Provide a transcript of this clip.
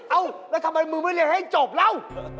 เอ้าแล้วทำไมมึงไม่เรียนให้จบแล้ว